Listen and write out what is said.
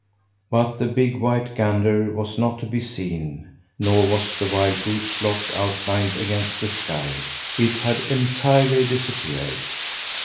But the big white gander was not to be seen, nor was the wild goose flock outlined against the sky. It had entirely disappeared.